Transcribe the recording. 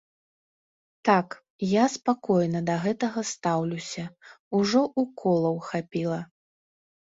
Так, я спакойна да гэтага стаўлюся, ужо уколаў хапіла.